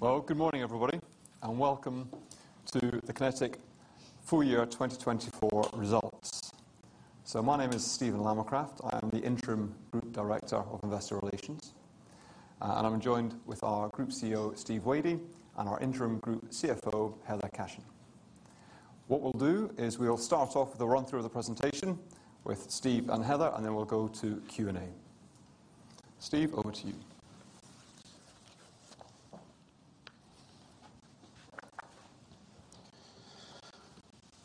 Well, good morning, everybody, and welcome to the QinetiQ full year 2024 results. So my name is Stephen Lamacraft. I am the Interim Group Director of Investor Relations, and I'm joined with our Group CEO, Steve Wadey, and our Interim Group CFO, Heather Cashin. What we'll do is we'll start off with a run-through of the presentation with Steve and Heather, and then we'll go to Q&A. Steve, over to you.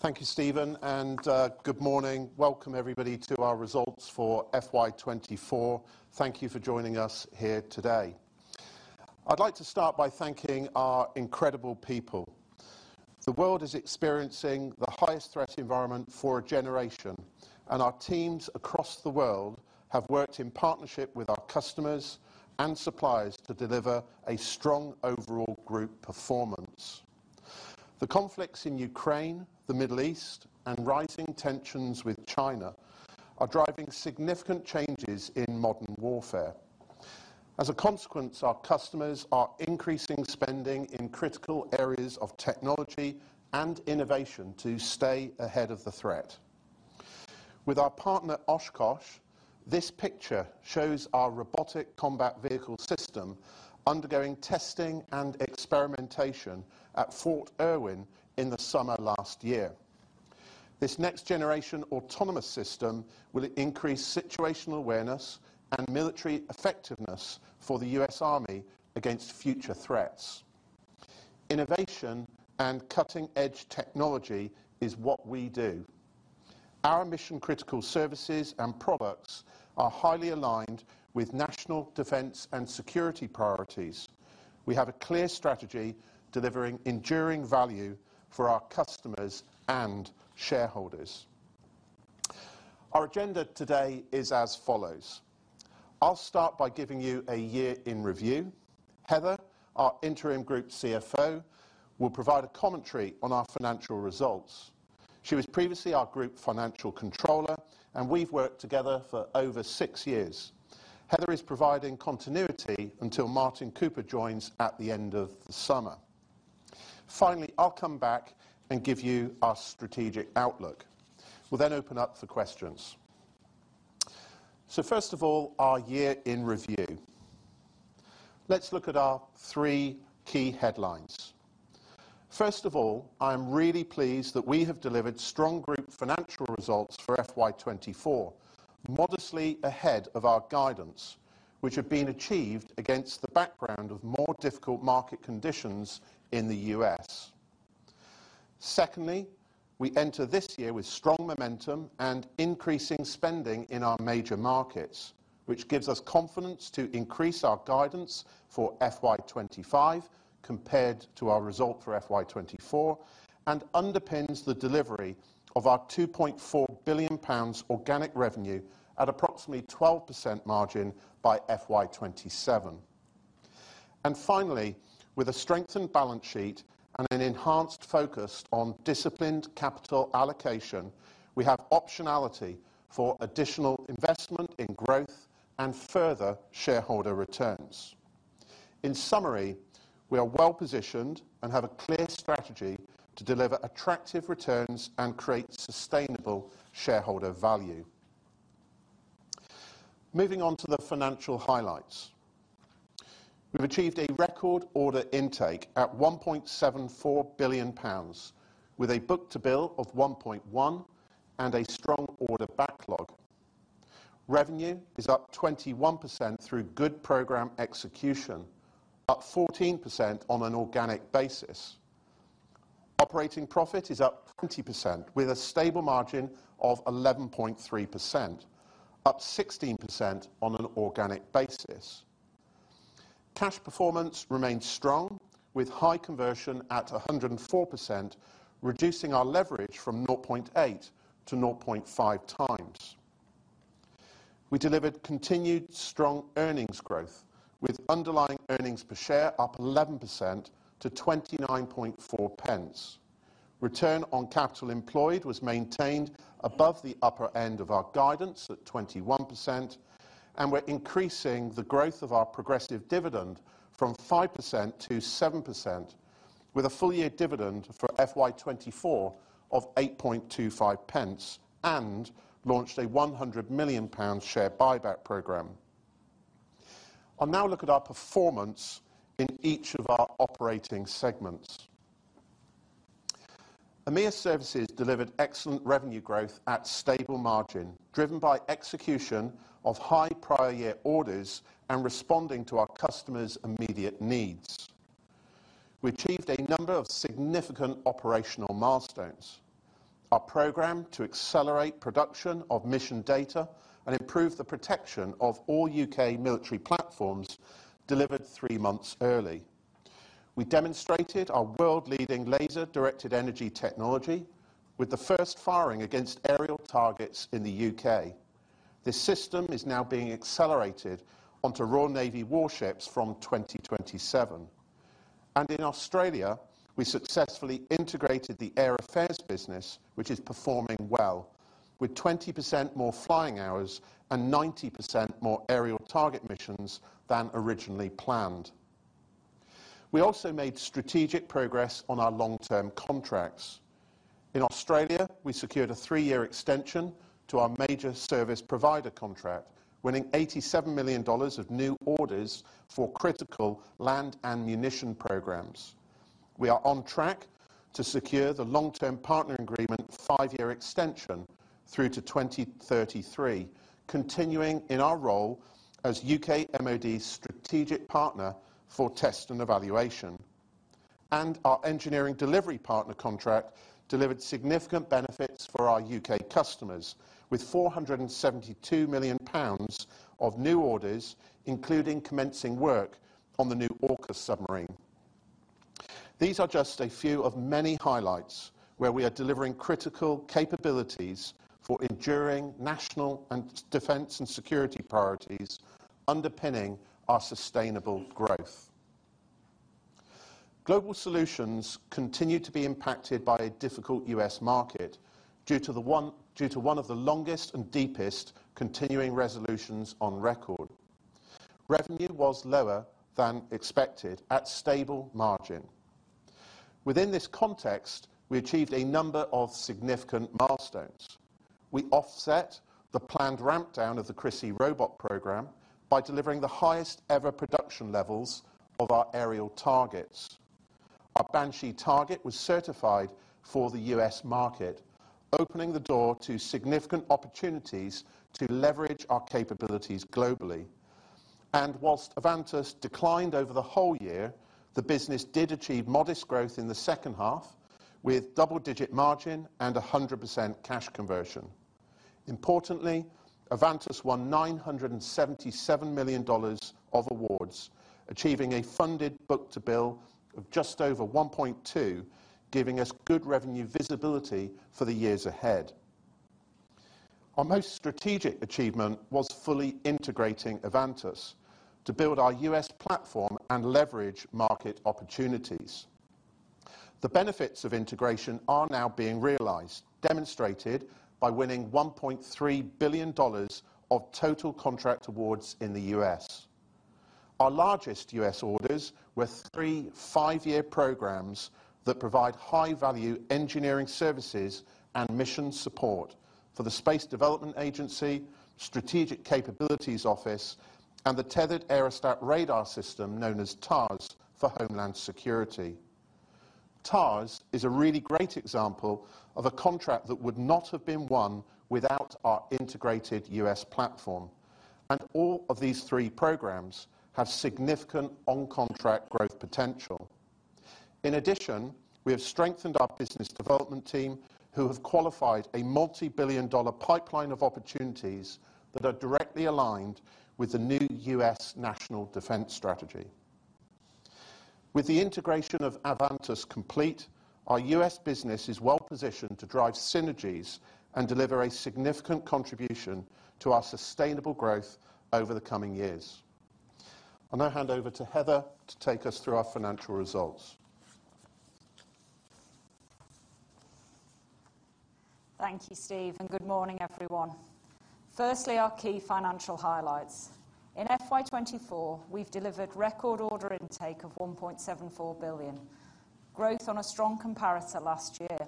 Thank you, Steven, and good morning. Welcome, everybody, to our results for FY 2024. Thank you for joining us here today. I'd like to start by thanking our incredible people. The world is experiencing the highest threat environment for a generation, and our teams across the world have worked in partnership with our customers and suppliers to deliver a strong overall group performance. The conflicts in Ukraine, the Middle East, and rising tensions with China are driving significant changes in modern warfare. As a consequence, our customers are increasing spending in critical areas of technology and innovation to stay ahead of the threat. With our partner, Oshkosh, this picture shows our Robotic Combat Vehicle system undergoing testing and experimentation at Fort Irwin in the summer last year. This next-generation autonomous system will increase situational awareness and military effectiveness for the U.S. Army against future threats. Innovation and cutting-edge technology is what we do. Our mission-critical services and products are highly aligned with national defense and security priorities. We have a clear strategy delivering enduring value for our customers and shareholders. Our agenda today is as follows: I'll start by giving you a year in review. Heather, our Interim Group CFO, will provide a commentary on our financial results. She was previously our group financial controller, and we've worked together for over six years. Heather is providing continuity until Martin Cooper joins at the end of the summer. Finally, I'll come back and give you our strategic outlook. We'll then open up for questions. First of all, our year in review. Let's look at our three key headlines. First of all, I'm really pleased that we have delivered strong group financial results for FY 2024, modestly ahead of our guidance, which have been achieved against the background of more difficult market conditions in the U.S. Secondly, we enter this year with strong momentum and increasing spending in our major markets, which gives us confidence to increase our guidance for FY 2025 compared to our result for FY 2024, and underpins the delivery of our 2.4 billion pounds organic revenue at approximately 12% margin by FY 2027. And finally, with a strengthened balance sheet and an enhanced focus on disciplined capital allocation, we have optionality for additional investment in growth and further shareholder returns. In summary, we are well positioned and have a clear strategy to deliver attractive returns and create sustainable shareholder value. Moving on to the financial highlights. We've achieved a record order intake at 1.74 billion pounds, with a book-to-bill of 1.1 and a strong order backlog. Revenue is up 21% through good program execution, up 14% on an organic basis. Operating profit is up 20%, with a stable margin of 11.3%, up 16% on an organic basis. Cash performance remains strong, with high conversion at 104%, reducing our leverage from 0.8 to 0.5 times. We delivered continued strong earnings growth, with underlying earnings per share up 11% to 29.4 pence. Return on capital employed was maintained above the upper end of our guidance at 21%, and we're increasing the growth of our progressive dividend from 5% to 7%, with a full-year dividend for FY 2024 of 0.0825 and launched a 100 million pound share buyback program. I'll now look at our performance in each of our operating segments. EMEA Services delivered excellent revenue growth at stable margin, driven by execution of high prior year orders and responding to our customers' immediate needs. We achieved a number of significant operational milestones. Our program to accelerate production of mission data and improve the protection of all UK military platforms delivered three months early. We demonstrated our world-leading laser-directed energy technology with the first firing against aerial targets in the UK. This system is now being accelerated onto Royal Navy warships from 2027. In Australia, we successfully integrated the Air Affairs business, which is performing well, with 20% more flying hours and 90% more aerial target missions than originally planned. We also made strategic progress on our Long-Term contracts. In Australia, we secured a three-year extension to our Major Service Provider contract, winning 87 million dollars of new orders for critical land and munition programs. We are on track to secure the Long Term Partnering Agreement five-year extension through to 2033, continuing in our role as UK MOD's strategic partner for test and evaluation. Our Engineering Delivery Partner contract delivered significant benefits for our UK customers, with 472 million pounds of new orders, including commencing work on the new AUKUS submarine. These are just a few of many highlights where we are delivering critical capabilities for enduring national and defense and security priorities, underpinning our sustainable growth. Global Solutions continued to be impacted by a difficult U.S. market, due to one of the longest and deepest continuing resolutions on record. Revenue was lower than expected at stable margin. Within this context, we achieved a number of significant milestones. We offset the planned ramp down of the CRS-I robotic program by delivering the highest ever production levels of our aerial targets. Our Banshee target was certified for the U.S. market, opening the door to significant opportunities to leverage our capabilities globally. Whilst Avantus declined over the whole year, the business did achieve modest growth in the second half, with double-digit margin and 100% cash conversion. Importantly, Avantus won $977 million of awards, achieving a funded Book-to-Bill of just over 1.2, giving us good revenue visibility for the years ahead. Our most strategic achievement was fully integrating Avantus to build our U.S. platform and leverage market opportunities. The benefits of integration are now being realized, demonstrated by winning $1.3 billion of total contract awards in the U.S. Our largest U.S. orders were three 5-year programs that provide high-value engineering services and mission support for the Space Development Agency, Strategic Capabilities Office, and the Tethered Aerostat Radar System, known as TARS for Homeland Security. TARS is a really great example of a contract that would not have been won without our integrated U.S. platform, and all of these three programs have significant on-contract growth potential. In addition, we have strengthened our business development team, who have qualified a multi-billion-dollar pipeline of opportunities that are directly aligned with the new U.S. National Defense Strategy. With the integration of Avantus complete, our U.S. business is well positioned to drive synergies and deliver a significant contribution to our sustainable growth over the coming years. I'll now hand over to Heather to take us through our financial results. Thank you, Steve, and good morning, everyone. Firstly, our key financial highlights. In FY 2024, we've delivered record order intake of 1.74 billion, growth on a strong comparator last year.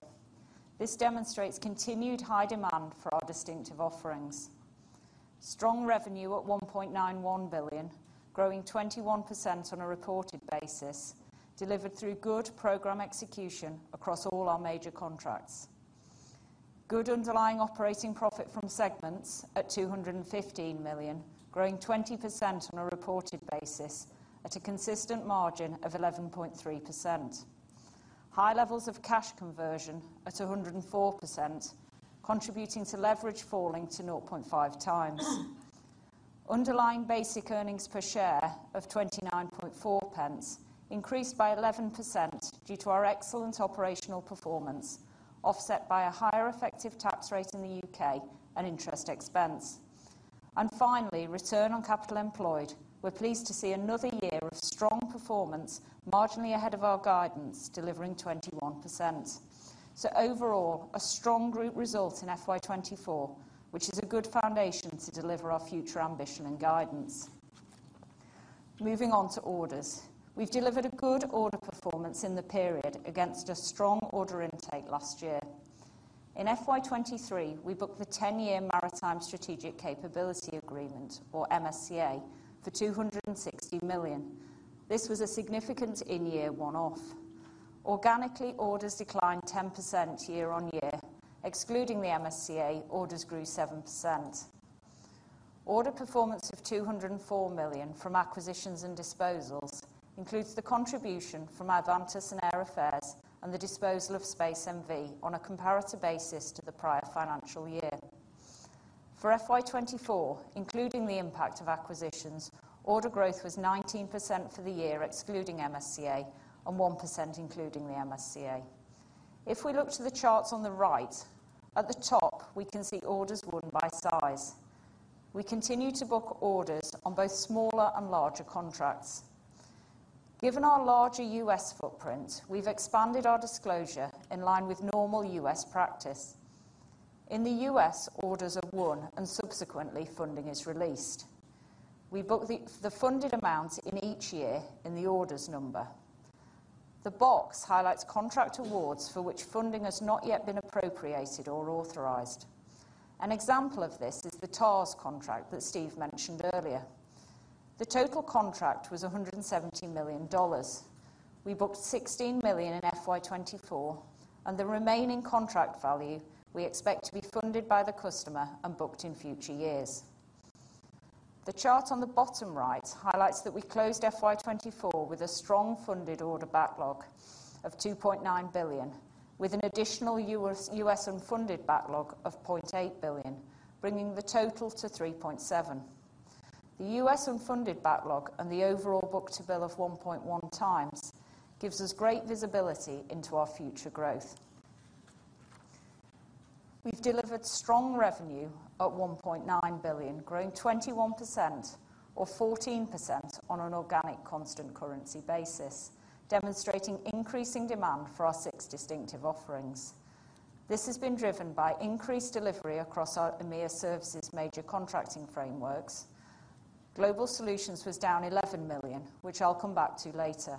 This demonstrates continued high demand for our distinctive offerings. Strong revenue at 1.91 billion, growing 21% on a reported basis, delivered through good program execution across all our major contracts. Good underlying operating profit from segments at 215 million, growing 20% on a reported basis at a consistent margin of 11.3%. High levels of cash conversion at 104%, contributing to leverage falling to 0.5 times. Underlying basic earnings per share of 0.294 increased by 11% due to our excellent operational performance, offset by a higher effective tax rate in the UK and interest expense. Finally, return on capital employed. We're pleased to see another strong year of performance, marginally ahead of our guidance, delivering 21%. Overall, a strong group result in FY 2024, which is a good foundation to deliver our future ambition and guidance. Moving on to orders. We've delivered a good order performance in the period against a strong order intake last year. In FY 2023, we booked the 10-year Maritime Strategic Capability Agreement, or MSCA, for 260 million. This was a significant in-year one-off. Organically, orders declined 10% year-on-year. Excluding the MSCA, orders grew 7%. Order performance of 204 million from acquisitions and disposals includes the contribution from Avantus and Air Affairs and the disposal of Space NV on a comparative basis to the prior financial year. For FY 2024, including the impact of acquisitions, order growth was 19% for the year, excluding MSCA, and 1%, including the MSCA. If we look to the charts on the right, at the top, we can see orders won by size. We continue to book orders on both smaller and larger contracts.... Given our larger US footprint, we've expanded our disclosure in line with normal US practice. In the US, orders are won and subsequently funding is released. We book the funded amount in each year in the orders number. The box highlights contract awards for which funding has not yet been appropriated or authorized. An example of this is the TARS contract that Steve mentioned earlier. The total contract was $170 million. We booked 16 million in FY 2024, and the remaining contract value we expect to be funded by the customer and booked in future years. The chart on the bottom right highlights that we closed FY 2024 with a strong funded order backlog of 2.9 billion, with an additional U.S. unfunded backlog of 0.8 billion, bringing the total to 3.7 billion. The U.S. unfunded backlog and the overall book-to-bill of 1.1x gives us great visibility into our future growth. We've delivered strong revenue at 1.9 billion, growing 21% or 14% on an organic constant currency basis, demonstrating increasing demand for our six distinctive offerings. This has been driven by increased delivery across our EMEA Services major contracting frameworks. Global solutions was down 11 million, which I'll come back to later.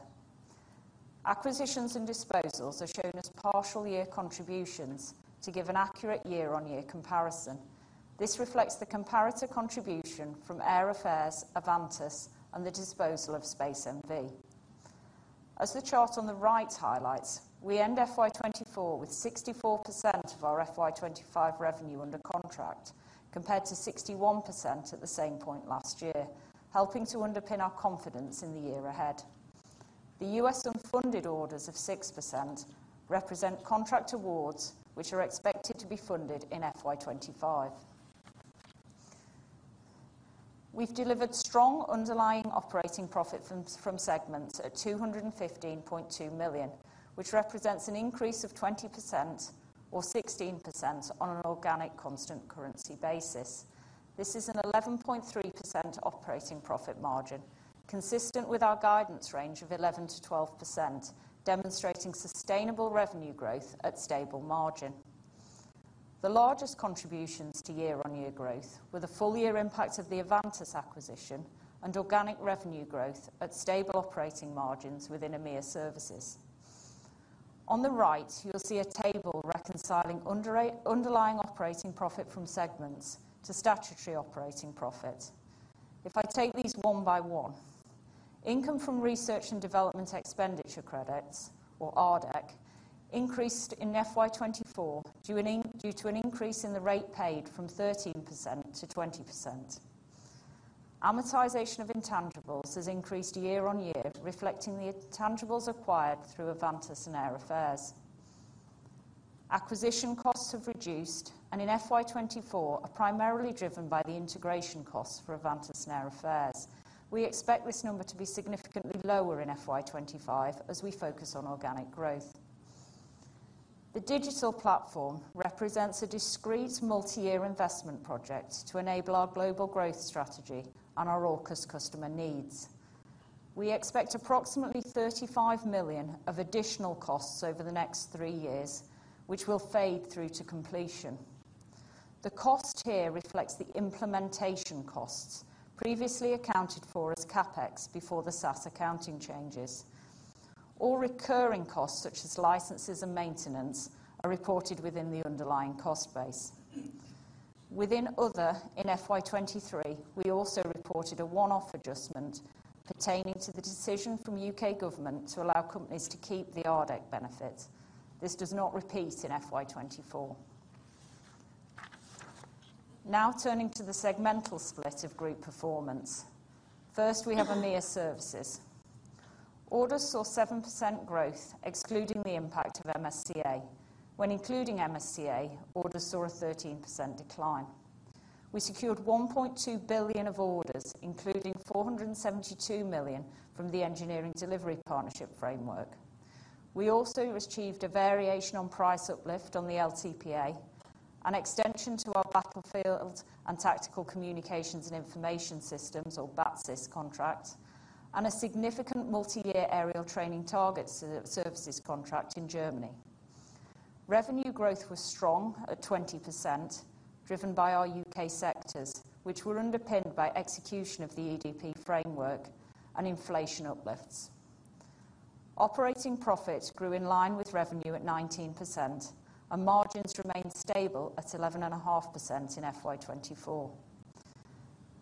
Acquisitions and disposals are shown as partial year contributions to give an accurate year-on-year comparison. This reflects the comparator contribution from Air Affairs, Avantus, and the disposal of Space NV. As the chart on the right highlights, we end FY 2024 with 64% of our FY 2025 revenue under contract, compared to 61% at the same point last year, helping to underpin our confidence in the year ahead. The U.S. unfunded orders of 6% represent contract awards, which are expected to be funded in FY 2025. We've delivered strong underlying operating profit from segments at 215.2 million, which represents an increase of 20% or 16% on an organic constant currency basis. This is an 11.3% operating profit margin, consistent with our guidance range of 11%-12%, demonstrating sustainable revenue growth at stable margin. The largest contributions to year-on-year growth were the full year impact of the Avantus acquisition and organic revenue growth at stable operating margins within EMEA Services. On the right, you'll see a table reconciling underlying operating profit from segments to statutory operating profit. If I take these one by one, income from research and development expenditure credits, or RDEC, increased in FY 2024 due to an increase in the rate paid from 13% to 20%. Amortization of intangibles has increased year-on-year, reflecting the intangibles acquired through Avantus and Air Affairs. Acquisition costs have reduced, and in FY 2024 are primarily driven by the integration costs for Avantus and Air Affairs. We expect this number to be significantly lower in FY 2025 as we focus on organic growth. The digital platform represents a discrete multi-year investment project to enable our global growth strategy and our AUKUS customer needs. We expect approximately 35 million of additional costs over the next three years, which will fade through to completion. The cost here reflects the implementation costs previously accounted for as CapEx before the SaaS accounting changes. All recurring costs, such as licenses and maintenance, are reported within the underlying cost base. Within other, in FY 2023, we also reported a one-off adjustment pertaining to the decision from UK government to allow companies to keep the RDEC benefits. This does not repeat in FY 2024. Now, turning to the segmental split of group performance. First, we have EMEA Services. Orders saw 7% growth, excluding the impact of MSCA. When including MSCA, orders saw a 13% decline. We secured 1.2 billion of orders, including 472 million from the engineering delivery partnership framework. We also achieved a variation on price uplift on the LTPA, an extension to our Battlefield and Tactical Communications and Information Systems, or BATCIS contract, and a significant multi-year aerial training targets services contract in Germany. Revenue growth was strong at 20%, driven by our UK sectors, which were underpinned by execution of the EDP framework and inflation uplifts. Operating profit grew in line with revenue at 19%, and margins remained stable at 11.5% in FY 2024.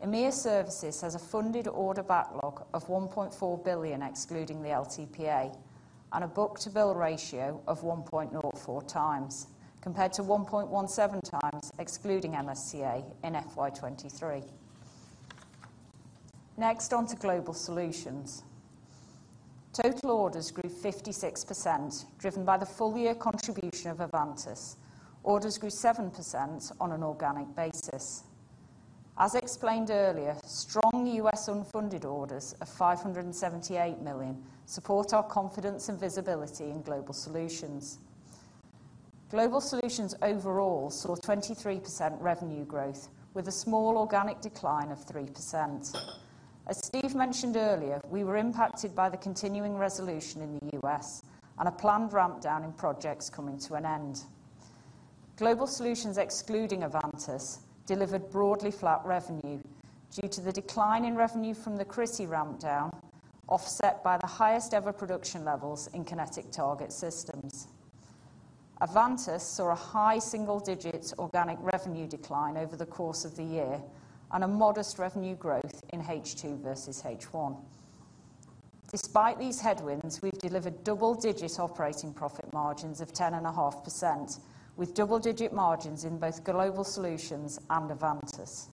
EMEA Services has a funded order backlog of 1.4 billion, excluding the LTPA, and a book-to-bill ratio of 1.04 times, compared to 1.17 times, excluding MSCA in FY 2023. Next, on to global solutions. Total orders grew 56%, driven by the full-year contribution of Avantus. Orders grew 7% on an organic basis. As explained earlier, strong US unfunded orders of $578 million support our confidence and visibility in Global Solutions.... Global Solutions overall saw 23% revenue growth, with a small organic decline of 3%. As Steve mentioned earlier, we were impacted by the continuing resolution in the US and a planned ramp down in projects coming to an end. Global Solutions, excluding Avantus, delivered broadly flat revenue due to the decline in revenue from the CRS-I ramp down, offset by the highest ever production levels in QinetiQ Target Systems. Avantus saw a high single-digit organic revenue decline over the course of the year and a modest revenue growth in H2 versus H1. Despite these headwinds, we've delivered double-digit operating profit margins of 10.5%, with double-digit margins in both Global Solutions and Avantus.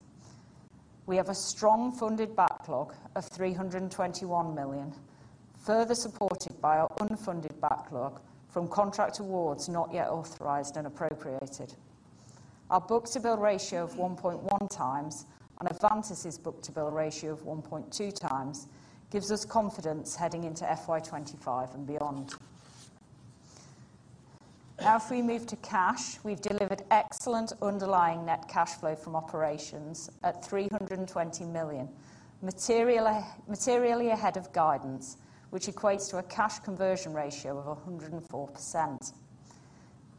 We have a strong funded backlog of 321 million, further supported by our unfunded backlog from contract awards not yet authorized and appropriated. Our book-to-bill ratio of 1.1x and Avantus' book-to-bill ratio of 1.2x gives us confidence heading into FY 2025 and beyond. Now, if we move to cash, we've delivered excellent underlying net cash flow from operations at 320 million, materially, materially ahead of guidance, which equates to a cash conversion ratio of 104%.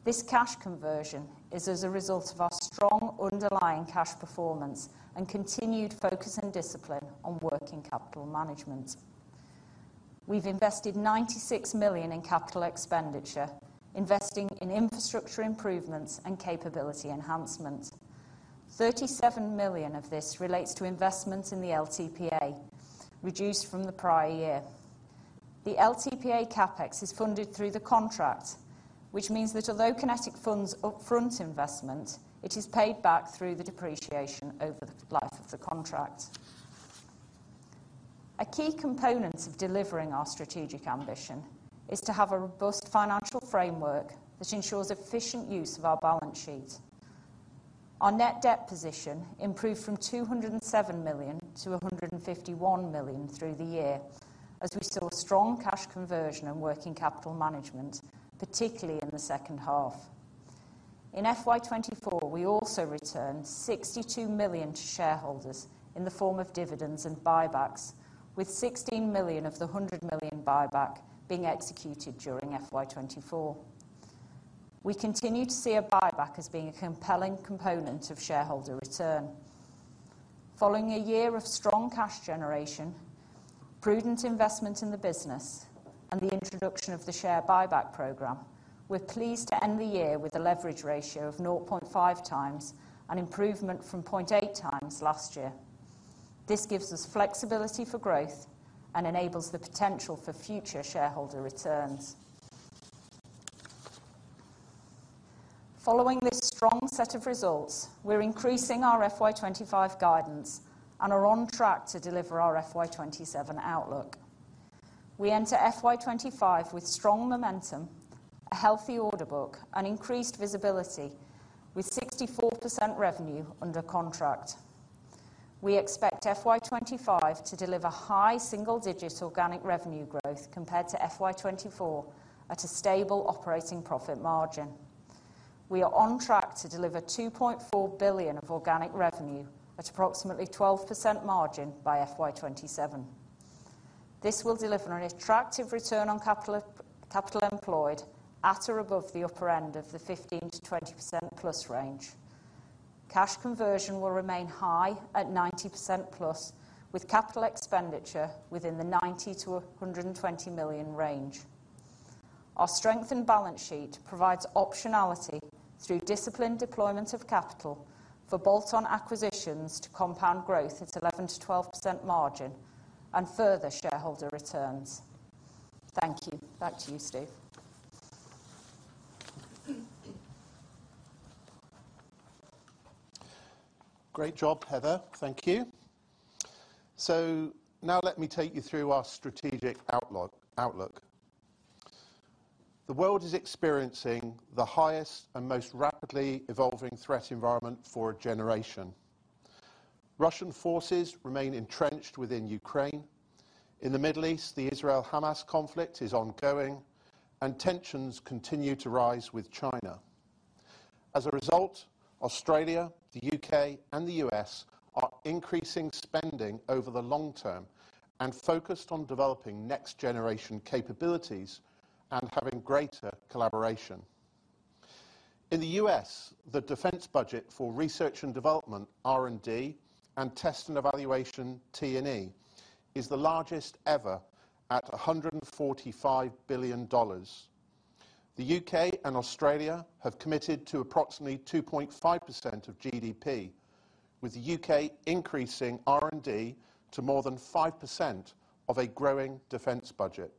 This cash conversion is as a result of our strong underlying cash performance and continued focus and discipline on working capital management. We've invested 96 million in capital expenditure, investing in infrastructure improvements and capability enhancements. 37 million of this relates to investments in the LTPA, reduced from the prior year. The LTPA CapEx is funded through the contract, which means that although QinetiQ funds upfront investment, it is paid back through the depreciation over the life of the contract. A key component of delivering our strategic ambition is to have a robust financial framework that ensures efficient use of our balance sheet. Our net debt position improved from 207 million to 151 million through the year, as we saw strong cash conversion and working capital management, particularly in the second half. In FY 2024, we also returned 62 million to shareholders in the form of dividends and buybacks, with 16 million of the 100 million buyback being executed during FY 2024. We continue to see a buyback as being a compelling component of shareholder return. Following a year of strong cash generation, prudent investment in the business, and the introduction of the share buyback program, we're pleased to end the year with a leverage ratio of 0.5 times, an improvement from 0.8 times last year. This gives us flexibility for growth and enables the potential for future shareholder returns. Following this strong set of results, we're increasing our FY 2025 guidance and are on track to deliver our FY 2027 outlook. We enter FY 2025 with strong momentum, a healthy order book, and increased visibility, with 64% revenue under contract. We expect FY 2025 to deliver high single-digit organic revenue growth compared to FY 2024 at a stable operating profit margin. We are on track to deliver 2.4 billion of organic revenue at approximately 12% margin by FY 2027. This will deliver an attractive return on capital, capital employed at or above the upper end of the 15%-20%+ range. Cash conversion will remain high at 90%+, with capital expenditure within the 90-120 million range. Our strengthened balance sheet provides optionality through disciplined deployment of capital for bolt-on acquisitions to compound growth at 11%-12% margin and further shareholder returns. Thank you. Back to you, Steve. Great job, Heather. Thank you. So now let me take you through our strategic outlook. The world is experiencing the highest and most rapidly evolving threat environment for a generation. Russian forces remain entrenched within Ukraine. In the Middle East, the Israel-Hamas conflict is ongoing, and tensions continue to rise with China. As a result, Australia, the U.K., and the U.S. are increasing spending over the long term and focused on developing next-generation capabilities and having greater collaboration. In the U.S., the defense budget for research and development, R&D, and test and evaluation, T&E, is the largest ever at $145 billion. The U.K. and Australia have committed to approximately 2.5% of GDP, with the U.K. increasing R&D to more than 5% of a growing defense budget.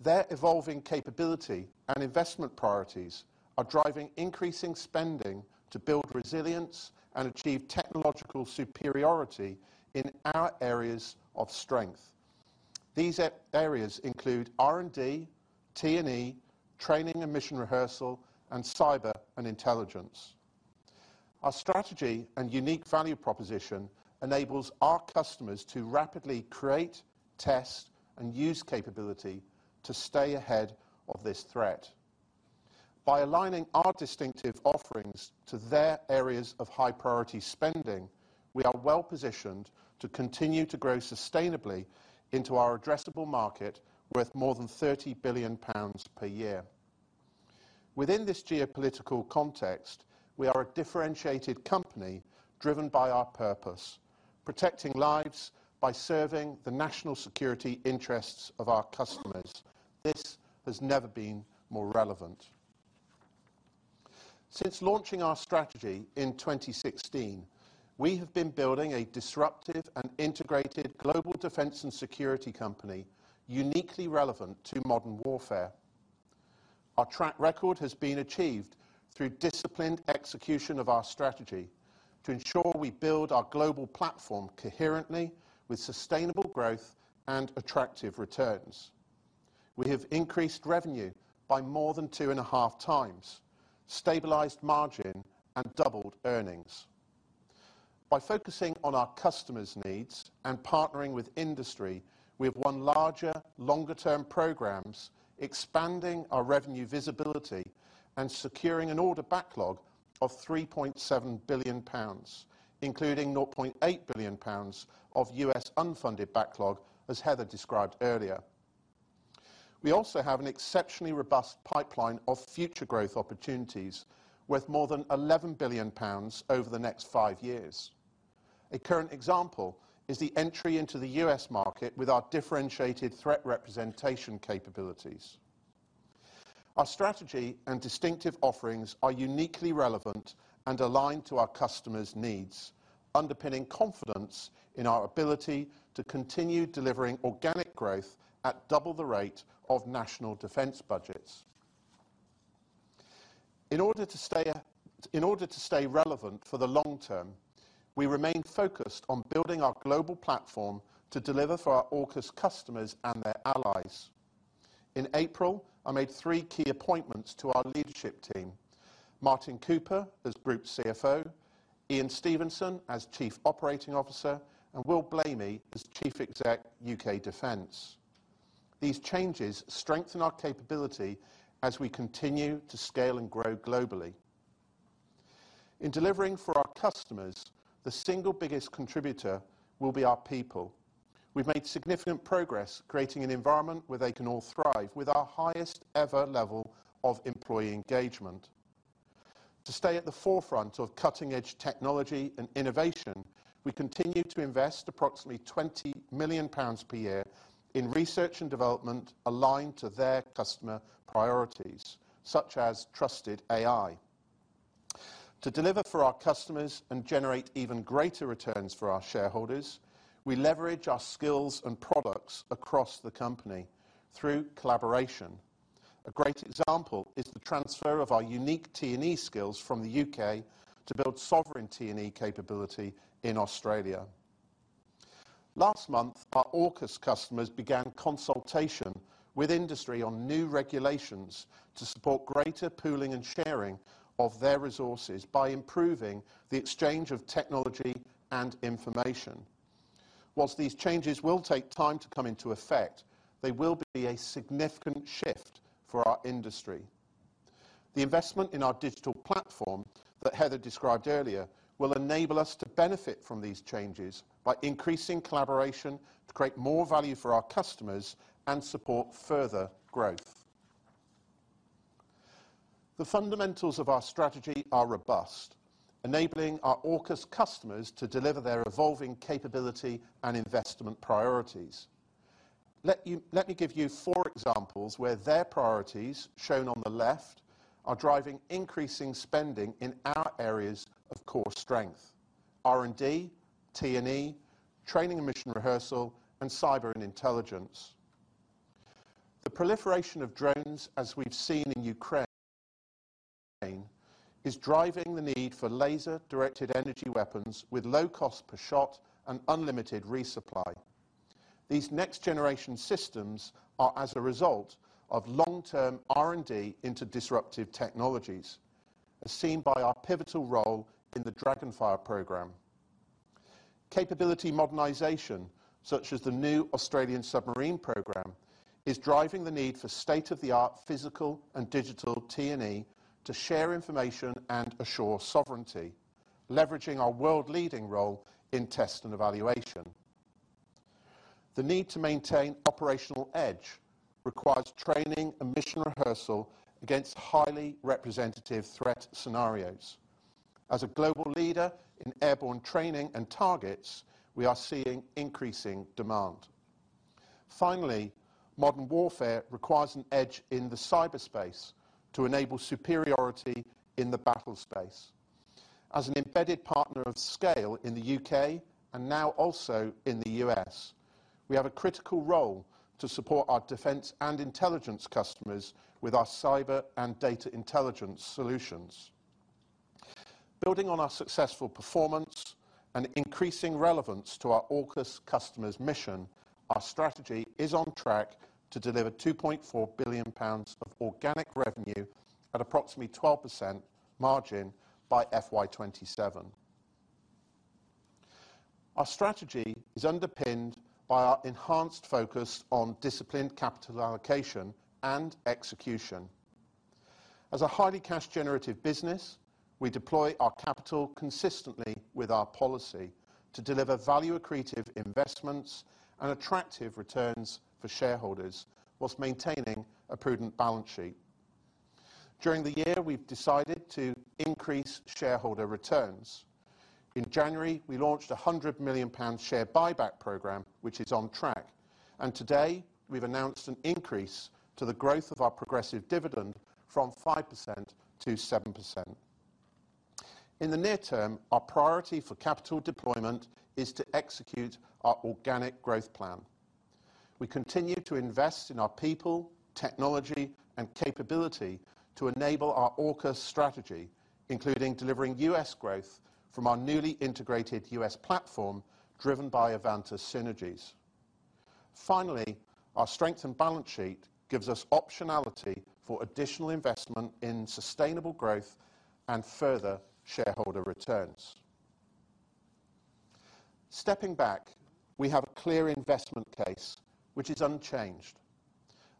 Their evolving capability and investment priorities are driving increasing spending to build resilience and achieve technological superiority in our areas of strength. These areas include R&D, T&E, training and mission rehearsal, and cyber and intelligence. Our strategy and unique value proposition enables our customers to rapidly create, test, and use capability to stay ahead of this threat. By aligning our distinctive offerings to their areas of high-priority spending, we are well-positioned to continue to grow sustainably into our addressable market, worth more than 30 billion pounds per year. Within this geopolitical context, we are a differentiated company driven by our purpose: protecting lives by serving the national security interests of our customers. This has never been more relevant. Since launching our strategy in 2016, we have been building a disruptive and integrated global defense and security company uniquely relevant to modern warfare. Our track record has been achieved through disciplined execution of our strategy to ensure we build our global platform coherently with sustainable growth and attractive returns. We have increased revenue by more than 2.5 times, stabilized margin, and doubled earnings. By focusing on our customers' needs and partnering with industry, we have won larger, longer-term programs, expanding our revenue visibility and securing an order backlog of 3.7 billion pounds, including 0.8 billion pounds of U.S. unfunded backlog, as Heather described earlier. We also have an exceptionally robust pipeline of future growth opportunities, worth more than 11 billion pounds over the next 5 years. A current example is the entry into the U.S. market with our differentiated threat representation capabilities. Our strategy and distinctive offerings are uniquely relevant and aligned to our customers' needs, underpinning confidence in our ability to continue delivering organic growth at double the rate of national defense budgets. In order to stay, in order to stay relevant for the long term, we remain focused on building our global platform to deliver for our AUKUS customers and their allies. In April, I made three key appointments to our leadership team: Martin Cooper as Group CFO, Ian Stevenson as Chief Operating Officer, and Will Blamey as Chief Exec UK Defense. These changes strengthen our capability as we continue to scale and grow globally. In delivering for our customers, the single biggest contributor will be our people. We've made significant progress creating an environment where they can all thrive, with our highest ever level of employee engagement. To stay at the forefront of cutting-edge technology and innovation, we continue to invest approximately 20 million pounds per year in research and development aligned to their customer priorities, such as trusted AI. To deliver for our customers and generate even greater returns for our shareholders, we leverage our skills and products across the company through collaboration. A great example is the transfer of our unique T&E skills from the UK to build sovereign T&E capability in Australia. Last month, our AUKUS customers began consultation with industry on new regulations to support greater pooling and sharing of their resources by improving the exchange of technology and information. While these changes will take time to come into effect, they will be a significant shift for our industry. The investment in our digital platform that Heather described earlier will enable us to benefit from these changes by increasing collaboration to create more value for our customers and support further growth. The fundamentals of our strategy are robust, enabling our AUKUS customers to deliver their evolving capability and investment priorities. Let me give you four examples where their priorities, shown on the left, are driving increasing spending in our areas of core strength: R&D, T&E, training and mission rehearsal, and cyber and intelligence. The proliferation of drones, as we've seen in Ukraine, is driving the need for laser-directed energy weapons with low cost per shot and unlimited resupply. These next-generation systems are as a result of long-term R&D into disruptive technologies, as seen by our pivotal role in the DragonFire program. Capability modernization, such as the new Australian submarine program, is driving the need for state-of-the-art physical and digital T&E to share information and assure sovereignty, leveraging our world-leading role in test and evaluation. The need to maintain operational edge requires training and mission rehearsal against highly representative threat scenarios. As a global leader in airborne training and targets, we are seeing increasing demand. Finally, modern warfare requires an edge in the cyberspace to enable superiority in the battle space. As an embedded partner of scale in the UK and now also in the US, we have a critical role to support our defense and intelligence customers with our cyber and data intelligence solutions. Building on our successful performance and increasing relevance to our AUKUS customer's mission, our strategy is on track to deliver 2.4 billion pounds of organic revenue at approximately 12% margin by FY 2027. Our strategy is underpinned by our enhanced focus on disciplined capital allocation and execution. As a highly cash-generative business, we deploy our capital consistently with our policy to deliver value-accretive investments and attractive returns for shareholders, while maintaining a prudent balance sheet. During the year, we've decided to increase shareholder returns. In January, we launched a 100 million pound share buyback program, which is on track, and today we've announced an increase to the growth of our progressive dividend from 5% to 7%. In the near term, our priority for capital deployment is to execute our organic growth plan. We continue to invest in our people, technology, and capability to enable our AUKUS strategy, including delivering US growth from our newly integrated US platform, driven by Avantus synergies. Finally, our strength and balance sheet gives us optionality for additional investment in sustainable growth and further shareholder returns. Stepping back, we have a clear investment case, which is unchanged.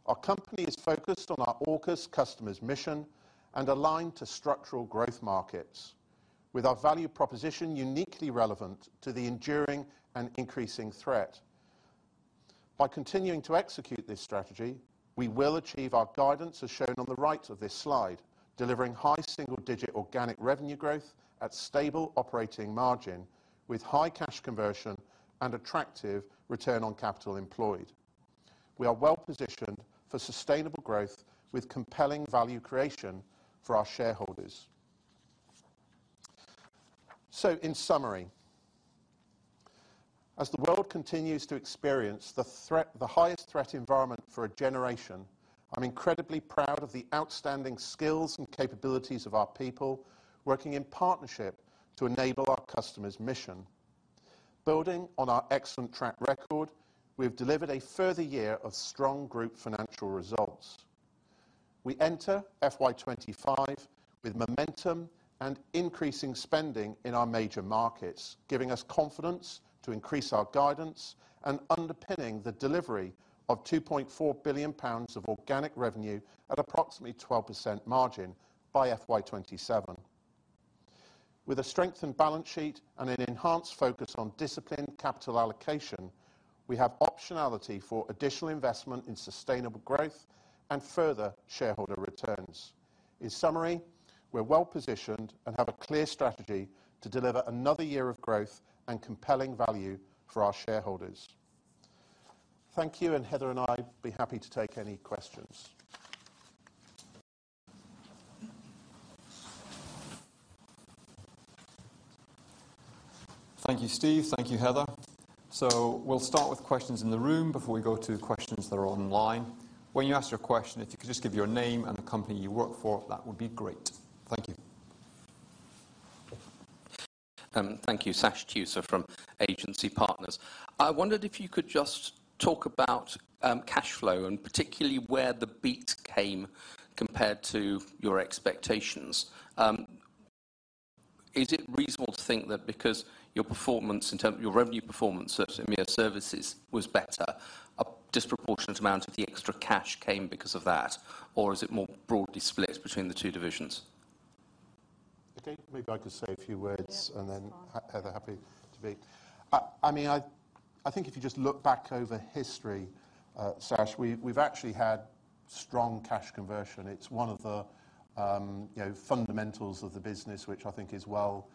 Our company is focused on our AUKUS customer's mission and aligned to structural growth markets, with our value proposition uniquely relevant to the enduring and increasing threat. By continuing to execute this strategy, we will achieve our guidance, as shown on the right of this slide, delivering high single-digit organic revenue growth at stable operating margin, with high cash conversion and attractive return on capital employed. We are well positioned for sustainable growth with compelling value creation for our shareholders. So, in summary, as the world continues to experience the threat, the highest threat environment for a generation, I'm incredibly proud of the outstanding skills and capabilities of our people, working in partnership to enable our customer's mission. Building on our excellent track record, we have delivered a further year of strong group financial results. We enter FY 25 with momentum and increasing spending in our major markets, giving us confidence to increase our guidance and underpinning the delivery of 2.4 billion pounds of organic revenue at approximately 12% margin by FY 27. With a strengthened balance sheet and an enhanced focus on disciplined capital allocation, we have optionality for additional investment in sustainable growth and further shareholder returns. In summary, we're well positioned and have a clear strategy to deliver another year of growth and compelling value for our shareholders. Thank you, and Heather and I would be happy to take any questions. Thank you, Steve. Thank you, Heather. We'll start with questions in the room before we go to questions that are online. When you ask your question, if you could just give your name and the company you work for, that would be great. Thank you. Thank you. Sash Tusa from Agency Partners. I wondered if you could just talk about cash flow, and particularly where the beat came compared to your expectations. Is it reasonable to think that because your performance in term-- your revenue performance, certainly at services, was better, a disproportionate amount of the extra cash came because of that, or is it more broadly split between the two divisions? I think maybe I could say a few words- Yeah, that's fine. And then, Heather, happy to be... I mean, I think if you just look back over history, Sash, we've actually had strong cash conversion. It's one of the, you know, fundamentals of the business, which I think is well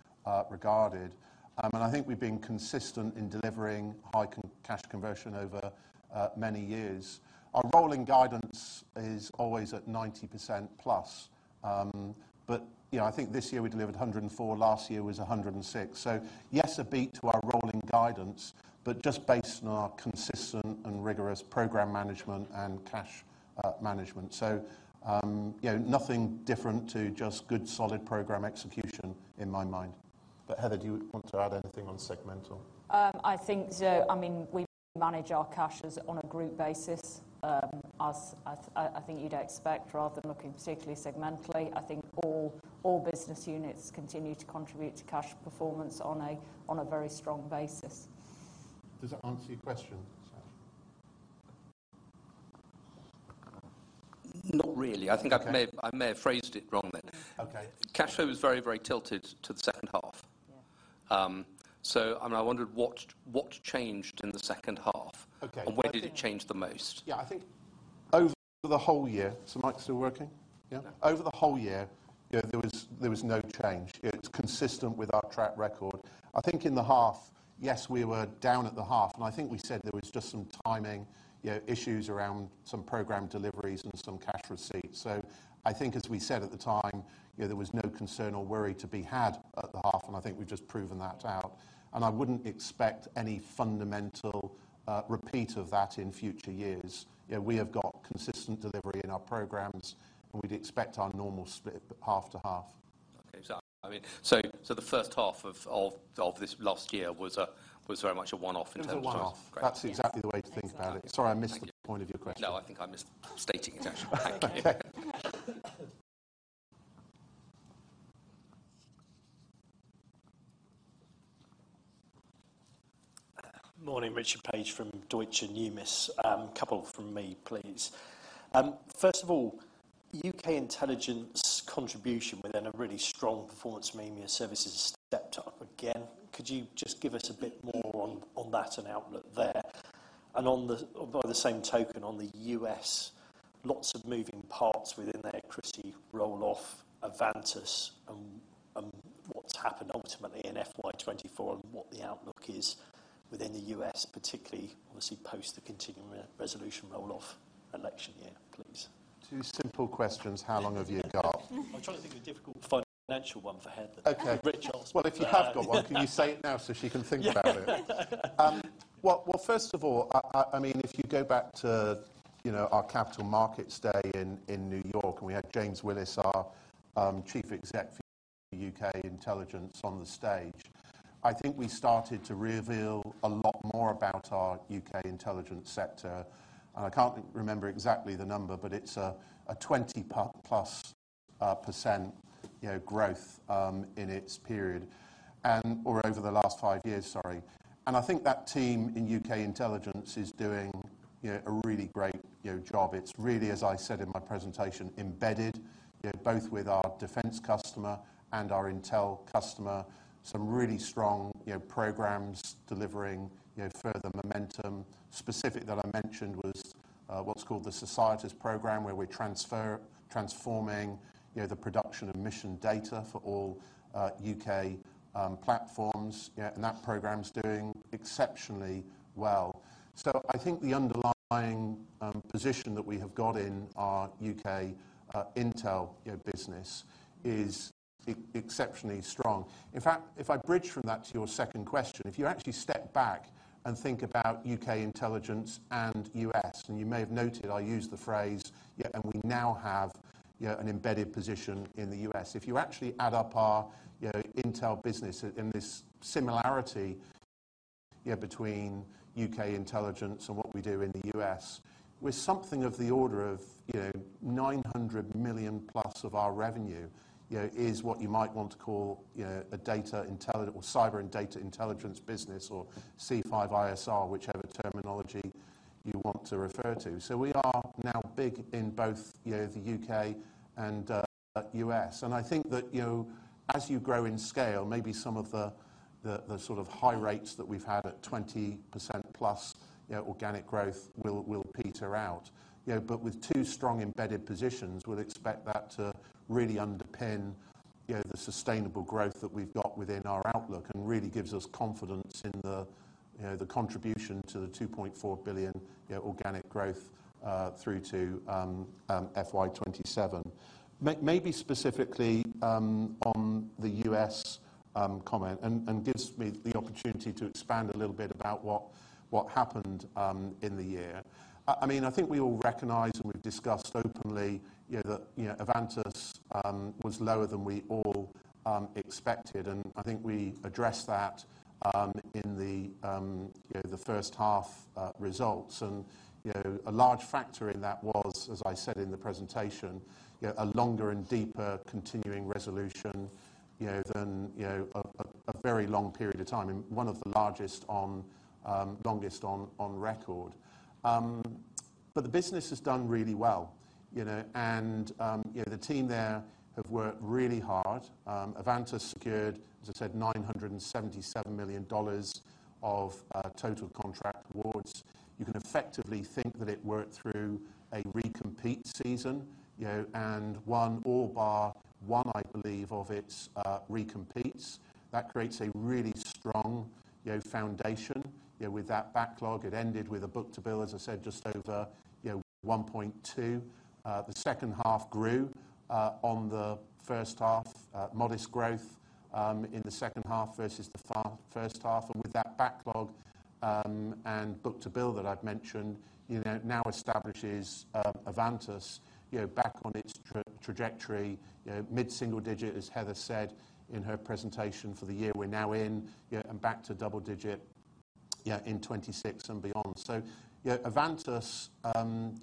regarded. And I think we've been consistent in delivering high cash conversion over many years. Our rolling guidance is always at 90% plus. But, you know, I think this year we delivered 104%, last year was 106%. So yes, a beat to our rolling guidance, but just based on our consistent and rigorous program management and cash management. So, you know, nothing different to just good, solid program execution in my mind. But, Heather, do you want to add anything on segmental? I think so. I mean, we manage our cash as on a group basis, as I think you'd expect, rather than looking particularly segmentally. I think all business units continue to contribute to cash performance on a very strong basis. Does that answer your question, Sash? Not really. Okay. I think I may have phrased it wrongly. Okay. Cash flow was very, very tilted to the second half. Yeah. I wondered what changed in the second half? Okay. Where did it change the most? Yeah, I think over the whole year... Is the mic still working? Yeah? Yeah. Over the whole year, you know, there was no change. It's consistent with our track record. I think in the half, yes, we were down at the half, and I think we said there was just some timing, you know, issues around some program deliveries and some cash receipts. So I think, as we said at the time, you know, there was no concern or worry to be had at the half, and I think we've just proven that out, and I wouldn't expect any fundamental repeat of that in future years. You know, we have got consistent delivery in our programs, and we'd expect our normal split, half to half.... Okay, so, I mean, the first half of this last year was very much a one-off in terms of- It was a one-off. Great. That's exactly the way to think about it. Thanks. Sorry, I missed the point of your question. No, I think I missed stating it actually. Morning, Richard Page from Deutsche Numis. A couple from me, please. First of all, UK Intelligence contribution within a really strong performance mean your services stepped up again. Could you just give us a bit more on, on that and outlook there? And on the by the same token, on the US, lots of moving parts within there, CRS-I roll-off, Avantus, and, and what's happened ultimately in FY 2024 and what the outlook is within the US, particularly obviously post the continuing resolution roll-off election year, please. Two simple questions. How long have you got? I'm trying to think of a difficult financial one for Heather. Okay. Rich- Well, if you have got one, can you say it now so she can think about it? Yeah. Well, well, first of all, I mean, if you go back to, you know, our Capital Markets Day in, in New York, and we had James Willis, our chief exec for UK Intelligence on the stage, I think we started to reveal a lot more about our UK Intelligence sector, and I can't remember exactly the number, but it's a 20-plus% growth in its period, or over the last five years, sorry. And I think that team in UK intelligence is doing, you know, a really great, you know, job. It's really, as I said in my presentation, embedded, you know, both with our defense customer and our intel customer. Some really strong, you know, programs delivering, you know, further momentum. Specific that I mentioned was what's called the Socrates Program, where we're transforming, you know, the production of mission data for all UK platforms. Yeah, and that program's doing exceptionally well. So I think the underlying position that we have got in our UK intel, you know, business is exceptionally strong. In fact, if I bridge from that to your second question, if you actually step back and think about U.K. intelligence and U.S., and you may have noted, I used the phrase, "Yeah, and we now have, you know, an embedded position in the U.S." If you actually add up our, you know, intel business in this similarity, yeah, between U.K. intelligence and what we do in the U.S., with something of the order of, you know, 900 million plus of our revenue, you know, is what you might want to call, you know, a data intelligence or cyber and data intelligence business, or C5ISR, whichever terminology you want to refer to. So we are now big in both, you know, the U.K. and U.S. I think that, you know, as you grow in scale, maybe some of the sort of high rates that we've had at 20%+, you know, organic growth will peter out. You know, but with two strong embedded positions, we'll expect that to really underpin, you know, the sustainable growth that we've got within our outlook and really gives us confidence in the, you know, the contribution to the 2.4 billion, you know, organic growth through to FY 2027. Maybe specifically on the US comment, and gives me the opportunity to expand a little bit about what happened in the year. I mean, I think we all recognize and we've discussed openly, you know, that, you know, Avantus was lower than we all expected, and I think we addressed that in the, you know, the first half results. And, you know, a large factor in that was, as I said in the presentation, you know, a longer and deeper continuing resolution, you know, than, you know, a very long period of time, and one of the largest on longest on record. But the business has done really well, you know, and, you know, the team there have worked really hard. Avantus secured, as I said, $977 million of total contract awards. You can effectively think that it worked through a recompete season, you know, and won all bar one, I believe, of its, recompetes. That creates a really strong, you know, foundation, you know, with that backlog. It ended with a book-to-bill, as I said, just over, you know, 1.2. The second half grew, on the first half, modest growth, in the second half versus the first half, and with that backlog, and book-to-bill that I've mentioned, you know, now establishes, Avantus, you know, back on its trajectory. You know, mid-single digit, as Heather said in her presentation for the year, we're now in, you know, and back to double digit, yeah, in 2026 and beyond. So, you know, Avantus,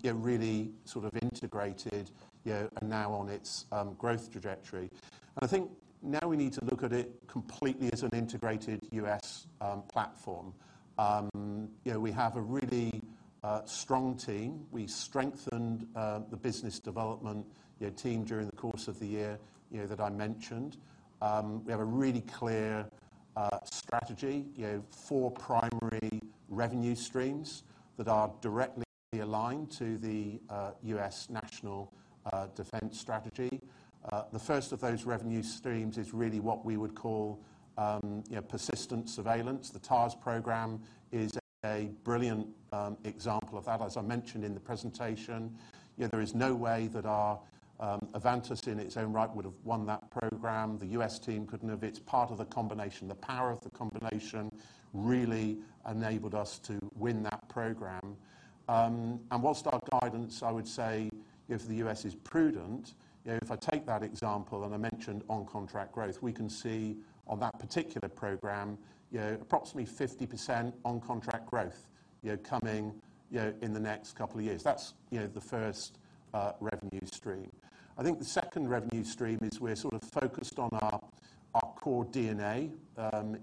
yeah, really sort of integrated, you know, and now on its, growth trajectory. And I think now we need to look at it completely as an integrated U.S. platform. You know, we have a really strong team. We strengthened the business development, you know, team during the course of the year, you know, that I mentioned. We have a really clear strategy, you know, four primary revenue streams that are directly aligned to the U.S. National Defense Strategy. The first of those revenue streams is really what we would call, you know, persistent surveillance. The TARS program is a brilliant example of that. As I mentioned in the presentation, you know, there is no way that our Avantus, in its own right, would have won that program. The U.S. team couldn't have. It's part of the combination, the power of the combination really enabled us to win that program. What's our guidance? I would say if the US is prudent, you know, if I take that example, and I mentioned on contract growth, we can see on that particular program, you know, approximately 50% on contract growth, you know, coming, you know, in the next couple of years. That's, you know, the first revenue stream. I think the second revenue stream is we're sort of focused on our core DNA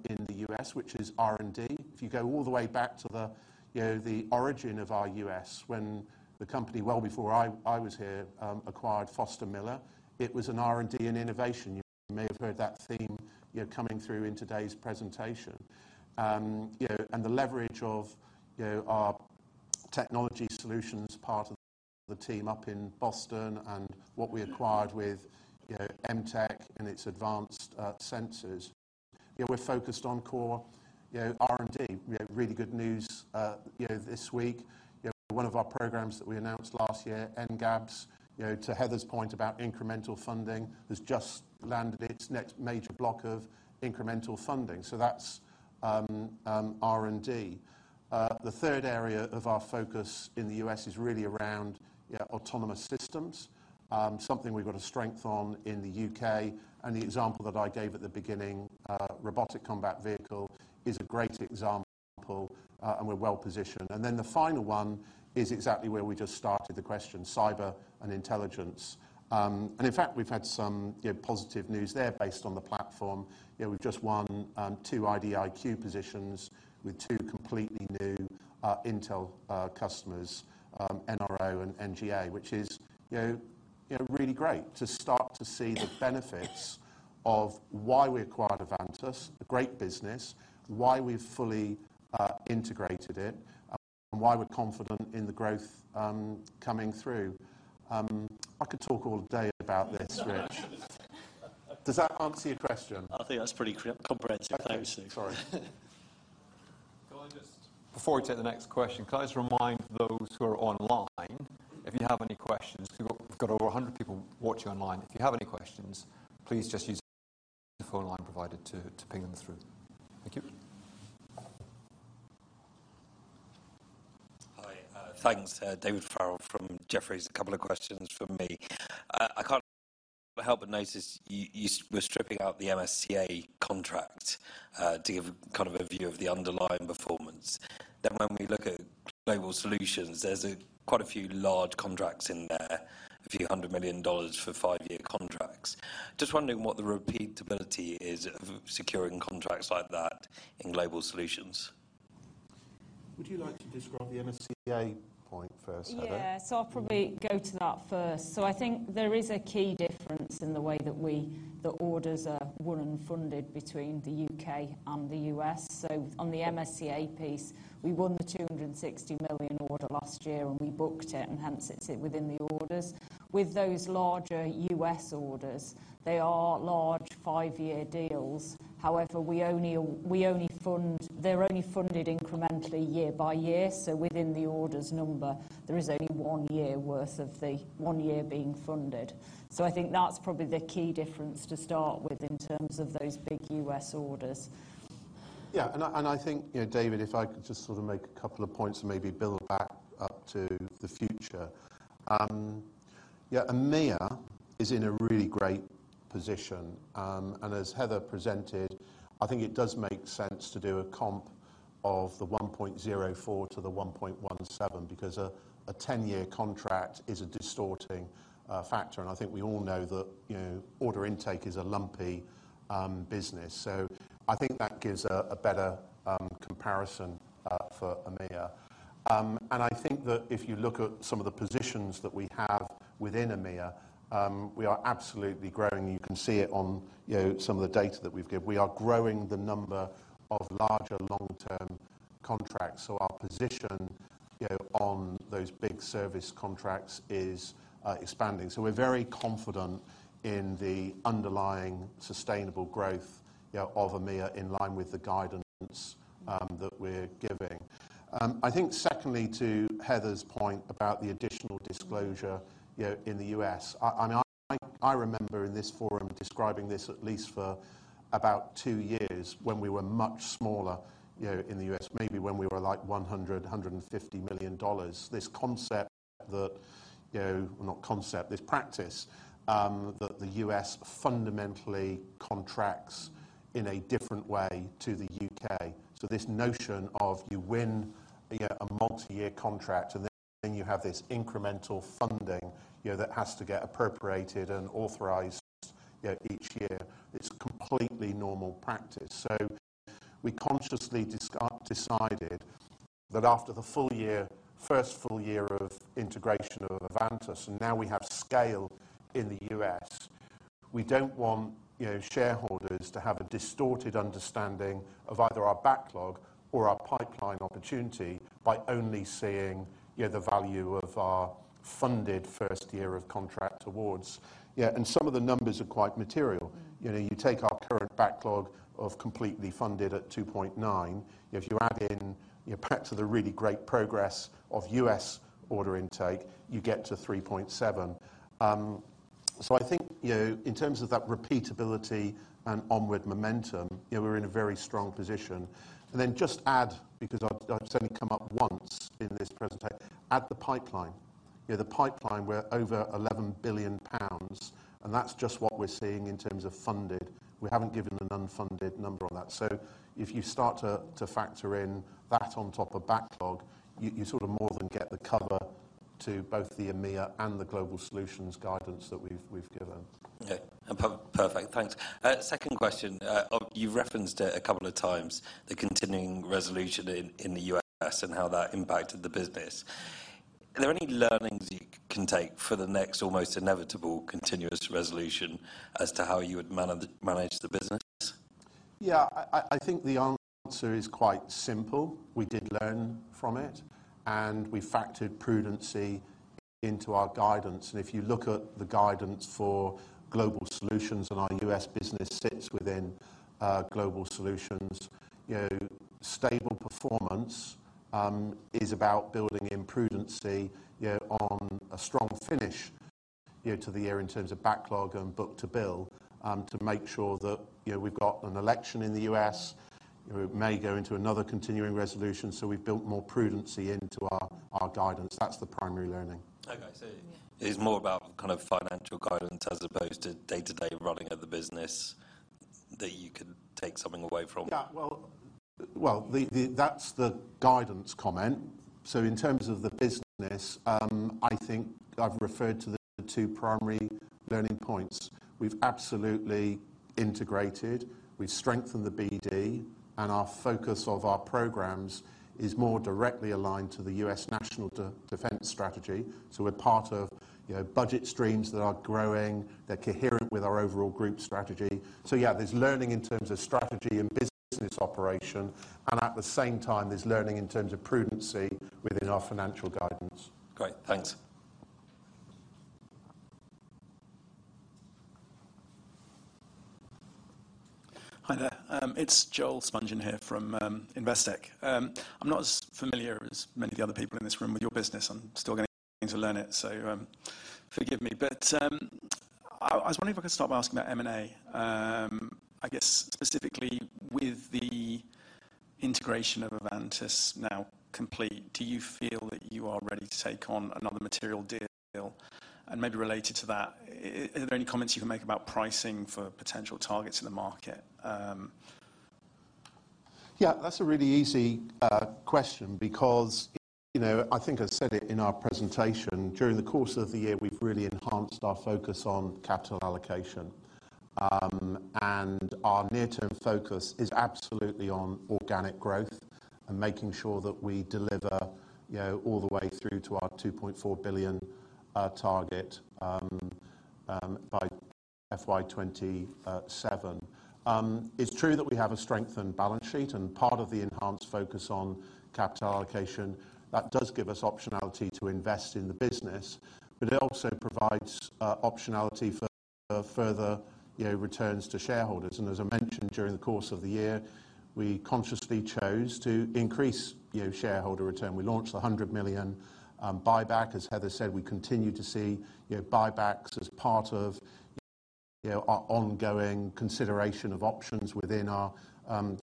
in the US, which is R&D. If you go all the way back to you know, the origin of our US, when the company, well before I was here, acquired Foster Miller, it was an R&D and innovation. You may have heard that theme, you know, coming through in today's presentation. you know, and the leverage of, you know, our technology solutions, part of the team up in Boston and what we acquired with, you know, MTEQ and its advanced sensors. You know, we're focused on core, you know, R&D. We have really good news, you know, this week. You know, one of our programs that we announced last year, NGATS, you know, to Heather's point about incremental funding, has just landed its next major block of incremental funding. So that's R&D. The third area of our focus in the U.S. is really around, you know, autonomous systems. Something we've got a strength on in the U.K., and the example that I gave at the beginning, Robotic Combat Vehicle, is a great example, and we're well positioned. And then the final one is exactly where we just started the question, cyber and intelligence. In fact, we've had some, you know, positive news there based on the platform. You know, we've just won two IDIQ positions with two completely new intel customers, NRO and NGA, which is, you know, you know, really great to start to see the benefits of why we acquired Avantus, a great business, why we've fully integrated it, and why we're confident in the growth coming through. I could talk all day about this, Rich. Does that answer your question? I think that's pretty comprehensive. Thank you, Steve. Sorry. Before we take the next question, can I just remind those who are online, if you have any questions, we've got over 100 people watching online. If you have any questions, please just use the phone line provided to ping them through. Thank you. Hi, thanks. David Farrell from Jefferies. A couple of questions from me. I can't help but notice you, you were stripping out the MSCA contract, to give kind of a view of the underlying performance. Then when we look at global solutions, there's, quite a few large contracts in there, $a few hundred million for five-year contracts. Just wondering what the repeatability is of securing contracts like that in global solutions. Would you like to describe the MSCA point first, Heather? Yeah, so I'll probably go to that first. So I think there is a key difference in the way that we, the orders are won and funded between the U.K. and the U.S. So on the MSCA piece, we won the 260 million order last year, and we booked it, and hence it's within the orders. With those larger U.S. orders, they are large 5-year deals. However, we only, we only fund, they're only funded incrementally year by year, so within the orders number, there is only one year worth of the one year being funded. So I think that's probably the key difference to start with in terms of those big U.S. orders. Yeah, and I think, you know, David, if I could just sort of make a couple of points and maybe build back up to the future. Yeah, EMEA is in a really great position. And as Heather presented, I think it does make sense to do a comp of the 1.04-1.17, because a 10-year contract is a distorting factor. And I think we all know that, you know, order intake is a lumpy business. So I think that gives a better comparison for EMEA. And I think that if you look at some of the positions that we have within EMEA, we are absolutely growing. You can see it on, you know, some of the data that we've give. We are growing the number of larger, long-term contracts, so our position, you know, on those big service contracts is expanding. So we're very confident in the underlying sustainable growth, you know, of EMEA in line with the guidance that we're giving. I think secondly, to Heather's point about the additional disclosure, you know, in the U.S., I remember in this forum describing this at least for about two years when we were much smaller, you know, in the U.S., maybe when we were, like, $150 million. This concept that, you know, not concept, this practice that the U.S. fundamentally contracts in a different way to the U.K. So this notion of you win, you get a multi-year contract, and then you have this incremental funding, you know, that has to get appropriated and authorized, you know, each year, it's completely normal practice. So we consciously decided that after the full year, first full year of integration of Avantus, and now we have scale in the U.S., we don't want, you know, shareholders to have a distorted understanding of either our backlog or our pipeline opportunity by only seeing, you know, the value of our funded first year of contract awards. Yeah, and some of the numbers are quite material. You know, you take our current backlog of completely funded at 2.9. If you add in, you know, back to the really great progress of U.S. order intake, you get to 3.7... So I think, you know, in terms of that repeatability and onward momentum, you know, we're in a very strong position. And then just add, because I've certainly come up once in this presentation, add the pipeline. You know, the pipeline, we're over 11 billion pounds, and that's just what we're seeing in terms of funded. We haven't given an unfunded number on that. So if you start to factor in that on top of backlog, you sort of more than get the cover to both the EMEA and the global solutions guidance that we've given. Yeah, perfect. Thanks. Second question. You referenced it a couple of times, the continuing resolution in the U.S. and how that impacted the business. Are there any learnings you can take for the next almost inevitable continuing resolution as to how you would manage the business? Yeah, I think the answer is quite simple. We did learn from it, and we factored prudency into our guidance. If you look at the guidance for Global Solutions, and our U.S. business sits within Global Solutions, you know, stable performance is about building in prudency, you know, on a strong finish, you know, to the year in terms of backlog and book-to-bill, to make sure that, you know, we've got an election in the U.S. You know, it may go into another continuing resolution, so we've built more prudency into our guidance. That's the primary learning. Okay, so it's more about kind of financial guidance as opposed to day-to-day running of the business that you could take something away from? Yeah, well, that's the guidance comment. So in terms of the business, I think I've referred to the two primary learning points. We've absolutely integrated, we've strengthened the BD, and our focus of our programs is more directly aligned to the U.S. National Defense Strategy. So we're part of, you know, budget streams that are growing. They're coherent with our overall group strategy. So yeah, there's learning in terms of strategy and business operation, and at the same time, there's learning in terms of prudence within our financial guidance. Great, thanks. Hi there. It's Joel Spungin here from Investec. I'm not as familiar as many of the other people in this room with your business. I'm still getting to learn it, so forgive me. But I was wondering if I could start by asking about M&A. I guess specifically with the integration of Avantus now complete, do you feel that you are ready to take on another material deal? And maybe related to that, are there any comments you can make about pricing for potential targets in the market? Yeah, that's a really easy question because, you know, I think I said it in our presentation, during the course of the year, we've really enhanced our focus on capital allocation. And our near-term focus is absolutely on organic growth and making sure that we deliver, you know, all the way through to our 2.4 billion target by FY 2027. It's true that we have a strengthened balance sheet and part of the enhanced focus on capital allocation, that does give us optionality to invest in the business, but it also provides optionality for further, you know, returns to shareholders. And as I mentioned, during the course of the year, we consciously chose to increase, you know, shareholder return. We launched the 100 million buyback. As Heather said, we continue to see, you know, buybacks as part of, you know, our ongoing consideration of options within our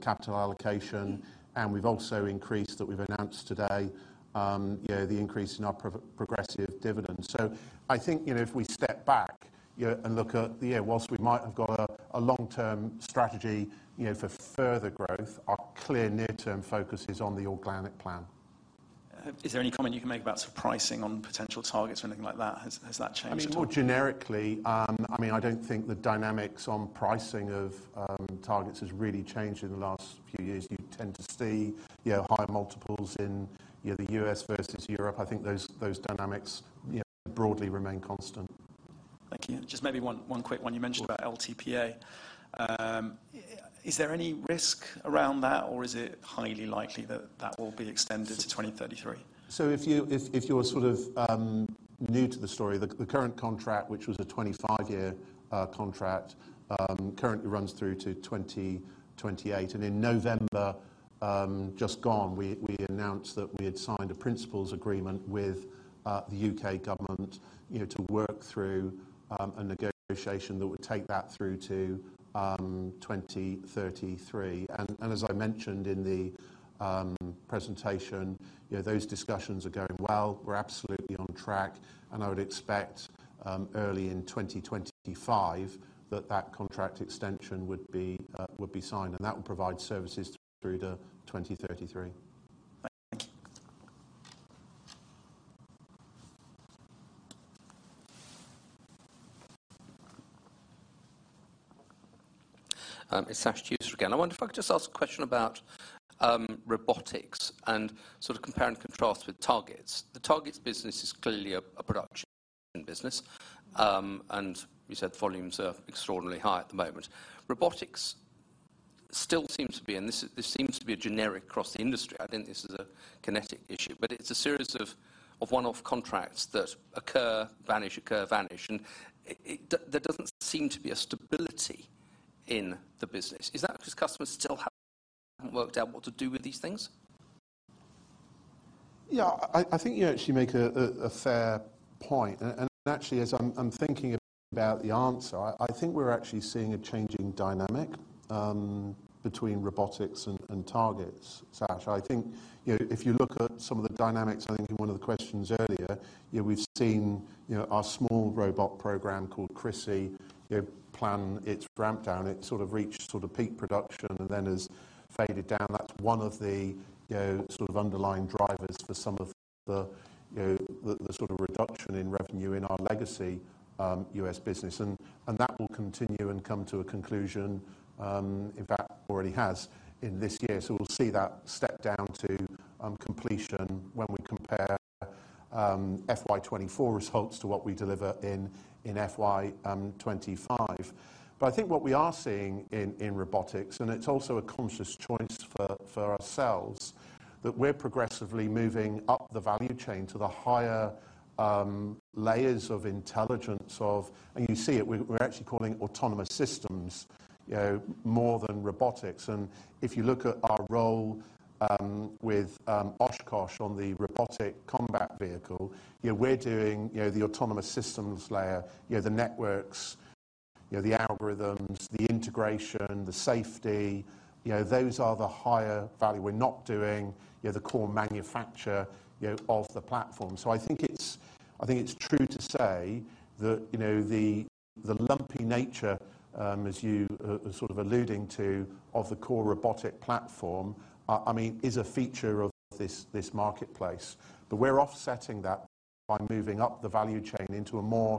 capital allocation, and we've also increased, that we've announced today, you know, the increase in our progressive dividend. So I think, you know, if we step back, you know, and look at, yeah, while we might have got a long-term strategy, you know, for further growth, our clear near-term focus is on the organic plan. Is there any comment you can make about sort of pricing on potential targets or anything like that? Has that changed? I mean, more generically, I mean, I don't think the dynamics on pricing of targets has really changed in the last few years. You tend to see, you know, higher multiples in, you know, the U.S. versus Europe. I think those, those dynamics, you know, broadly remain constant. Thank you. Just maybe one, one quick one. Sure. You mentioned about LTPA. Is there any risk around that, or is it highly likely that that will be extended to 2033? So if you're sort of new to the story, the current contract, which was a 25-year contract, currently runs through to 2028, and in November just gone, we announced that we had signed a principles agreement with the UK government, you know, to work through a negotiation that would take that through to 2033. And as I mentioned in the presentation, you know, those discussions are going well. We're absolutely on track, and I would expect early in 2025, that that contract extension would be signed, and that will provide services through to 2033. Thank you. It's Sash Tusa again. I wonder if I could just ask a question about robotics and sort of compare and contrast with targets. The targets business is clearly a production business, and you said volumes are extraordinarily high at the moment. Robotics still seems to be, and this seems to be a generic across the industry. I don't think this is a QinetiQ issue, but it's a series of one-off contracts that occur, vanish, occur, vanish, and it-- there doesn't seem to be a stability in the business. Is that because customers still haven't worked out what to do with these things?... Yeah, I think you actually make a fair point. And actually, as I'm thinking about the answer, I think we're actually seeing a changing dynamic between robotics and targets, Sash. I think, you know, if you look at some of the dynamics, I think in one of the questions earlier, yeah, we've seen, you know, our small robot program called CRS-I, you know, plan its ramp down. It sort of reached sort of peak production and then has faded down. That's one of the, you know, sort of underlying drivers for some of the, you know, the sort of reduction in revenue in our legacy U.S. business, and that will continue and come to a conclusion, in fact, it already has in this year. So we'll see that step down to completion when we compare FY 2024 results to what we deliver in FY 2025. But I think what we are seeing in robotics, and it's also a conscious choice for ourselves, that we're progressively moving up the value chain to the higher layers of intelligence of... And you see it, we're actually calling it autonomous systems, you know, more than robotics. And if you look at our role with Oshkosh on the Robotic Combat Vehicle, you know, we're doing the autonomous systems layer, you know, the networks, you know, the algorithms, the integration, the safety, you know, those are the higher value. We're not doing the core manufacture of the platform. So I think it's true to say that, you know, the lumpy nature, as you sort of alluding to, of the core robotic platform, I mean, is a feature of this marketplace. But we're offsetting that by moving up the value chain into a more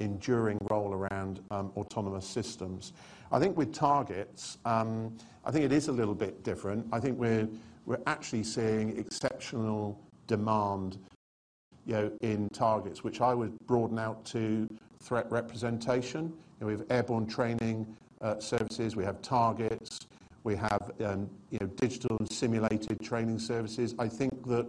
enduring role around autonomous systems. I think with targets, I think it is a little bit different. I think we're actually seeing exceptional demand, you know, in targets, which I would broaden out to threat representation. You know, we have airborne training services, we have targets, we have, you know, digital and simulated training services. I think that,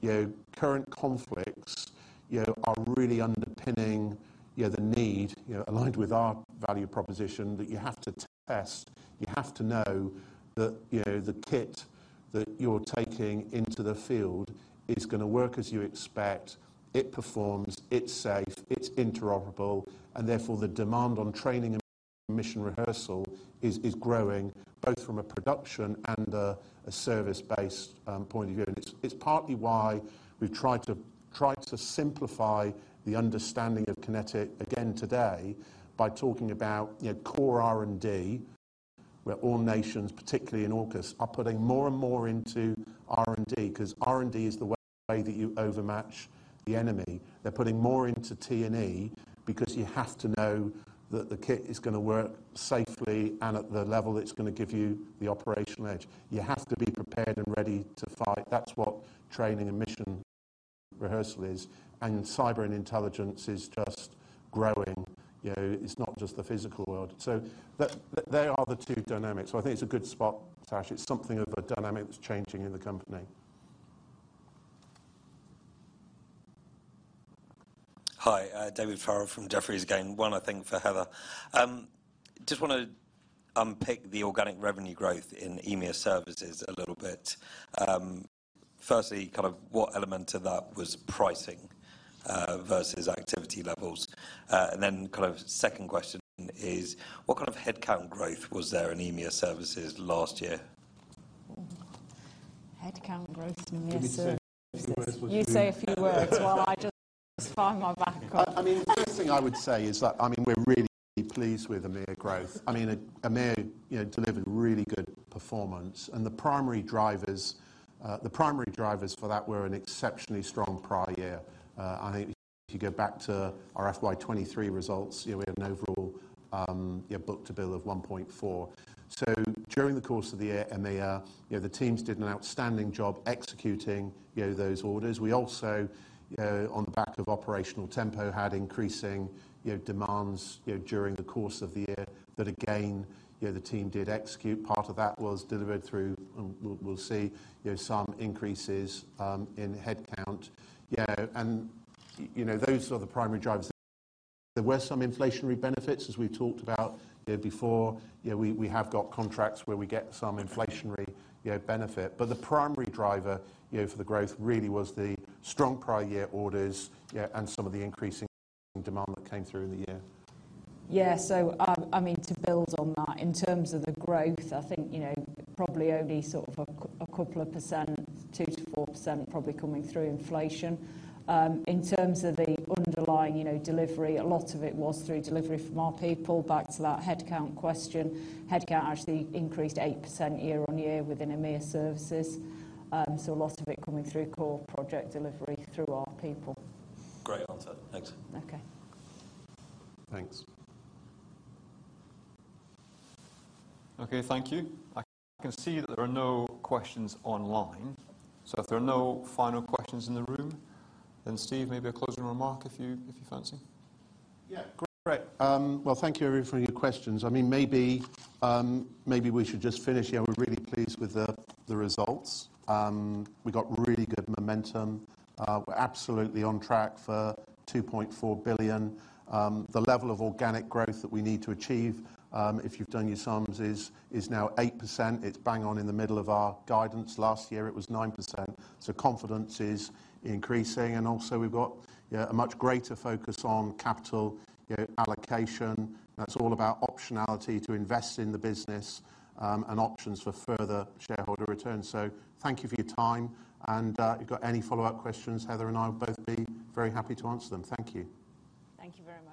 you know, current conflicts, you know, are really underpinning, you know, the need, you know, aligned with our value proposition, that you have to test, you know, the kit that you're taking into the field is gonna work as you expect. It performs, it's safe, it's interoperable, and therefore, the demand on training and mission rehearsal is, is growing, both from a production and a service-based point of view. And it's, it's partly why we've tried to, tried to simplify the understanding of QinetiQ again today by talking about, you know, core R&D, where all nations, particularly in AUKUS, are putting more and more into R&D, 'cause R&D is the way that you overmatch the enemy. They're putting more into T&E, because you have to know that the kit is gonna work safely and at the level that's gonna give you the operational edge. You have to be prepared and ready to fight. That's what training and mission rehearsal is, and cyber and intelligence is just growing, you know, it's not just the physical world. So they are the two dynamics, so I think it's a good spot, Sash. It's something of a dynamic that's changing in the company. Hi, David Farrell from Jefferies again. One, I think, for Heather. Just want to pick the organic revenue growth in EMEA Services a little bit. Firstly, kind of what element of that was pricing versus activity levels? And then kind of second question is, what kind of headcount growth was there in EMEA Services last year? Headcount growth in EMEA Services- Let me say a few words. You say a few words while I just find my background. I mean, the first thing I would say is that, I mean, we're really pleased with EMEA growth. I mean, EMEA, you know, delivered really good performance, and the primary drivers for that were an exceptionally strong prior year. I think if you go back to our FY 2023 results, you know, we had an overall, yeah, book-to-bill of 1.4. So during the course of the year, EMEA, you know, the teams did an outstanding job executing, you know, those orders. We also, on the back of operational tempo, had increasing, you know, demands, you know, during the course of the year. That again, you know, the team did execute. Part of that was delivered through, and we'll see, you know, some increases in headcount. You know, and those are the primary drivers. There were some inflationary benefits, as we've talked about, you know, before. You know, we have got contracts where we get some inflationary, you know, benefit, but the primary driver, you know, for the growth really was the strong prior year orders, yeah, and some of the increasing demand that came through in the year. Yeah, so, I mean, to build on that, in terms of the growth, I think, you know, probably only sort of a couple of percent, 2%-4% probably coming through inflation. In terms of the underlying, you know, delivery, a lot of it was through delivery from our people. Back to that headcount question, headcount actually increased 8% year-on-year within EMEA Services, so a lot of it coming through core project delivery through our people. Great answer. Thanks. Okay. Thanks. Okay, thank you. I can see that there are no questions online, so if there are no final questions in the room, then Steve, maybe a closing remark if you, if you fancy? Yeah, great. Well, thank you, everyone, for your questions. I mean, maybe, maybe we should just finish. Yeah, we're really pleased with the results. We got really good momentum. We're absolutely on track for 2.4 billion. The level of organic growth that we need to achieve, if you've done your sums, is now 8%. It's bang on in the middle of our guidance. Last year, it was 9%, so confidence is increasing, and also we've got, yeah, a much greater focus on capital, you know, allocation. That's all about optionality to invest in the business, and options for further shareholder return. So thank you for your time, and, if you've got any follow-up questions, Heather and I will both be very happy to answer them. Thank you. Thank you very much.